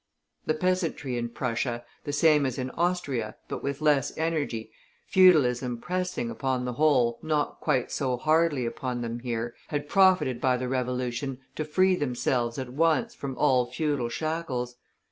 The peasantry in Prussia, the same as in Austria, but with less energy, feudalism pressing, upon the whole, not quite so hardly upon them here, had profited by the revolution to free themselves at once from all feudal shackles.